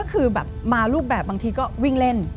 ก็คือแบบมารูปแบบบางทีก็วิ่งเล่น